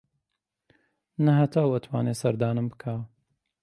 نە هەتاو ئەتوانێ سەردانم بکا